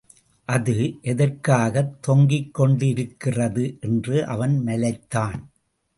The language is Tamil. அது எதற்காகத் தொங்கிக்கொண்டிருக்கிறது என்று அவன் மலைத்தான்.